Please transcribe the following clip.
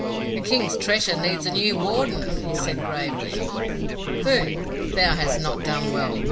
"The King's Treasure needs a new Warden," he said gravely. "Thuu, thou hast not done well.